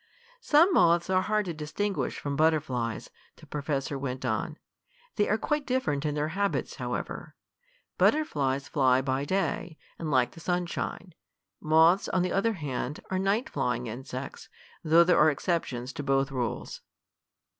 "Some moths are hard to distinguish from butterflies," the professor went on. "They are quite different in their habits, however. Butterflies fly by day, and like the sunshine. Moths, on the other hand, are night flying insects, though there are exceptions to both rules."